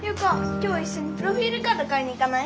今日いっしょにプロフィールカード買いに行かない？